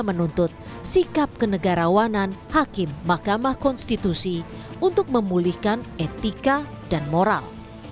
menuntut sikap kenegarawanan hakim mahkamah konstitusi untuk memulihkan etika dan moral